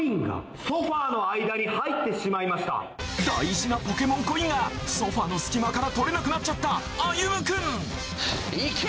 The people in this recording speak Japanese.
大事なポケモンコインがソファの隙間から取れなくなっちゃったあゆむくんいけ！